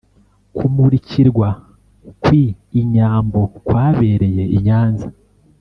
kumurikirwa kwi inyambo kwabereye I nyanza